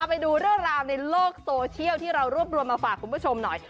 ไปดูเรื่องราวในโลกโซเชียลที่เรารวบรวมมาฝากคุณผู้ชมหน่อย